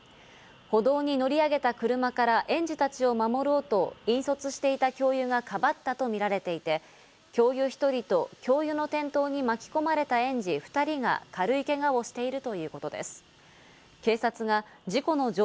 歩道に乗り上げた車から園児たちを守ろうと引率していた教諭はかばったとみられていて、教諭１人と教諭の転倒に巻き込まれた園児２人が軽いけがをしているということです。